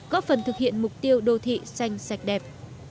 góp phần thực hiện mục tiêu đô thị xanh sạch đẹp